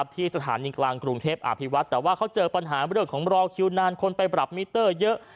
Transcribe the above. ที่สถานีกลางกรุงเทพอภิวัฒน์แต่ว่าเขาเจอปัญหาเรื่องของรอคิวนานคนไปปรับมิเตอร์เยอะ